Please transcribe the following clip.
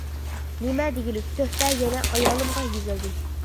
نېمە دېگۈلۈك؟ تۆھپە يەنە ئايالىمغا يېزىلدى.